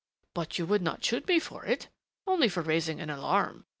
"But you would not shoot me for it? Only for raising an alarm?